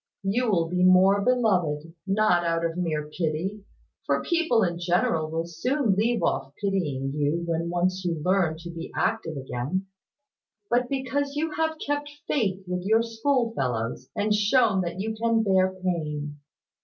You will be more beloved; not out of mere pity; for people in general will soon leave off pitying you, when once you learn to be active again; but because you have kept faith with your schoolfellows, and shown that you can bear pain.